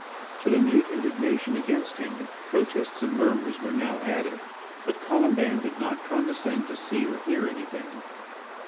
To the mute indignation against him, protests and murmurs were now added. But Colomban did not condescend to see or hear anything.